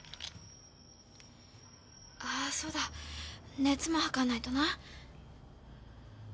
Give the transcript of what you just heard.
あっそうだ熱も測んないとな。